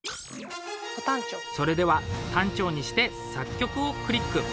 それでは短調にして「作曲」をクリック。